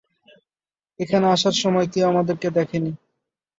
এখানে আসার সময় কেউ আমাদের দেখে নি।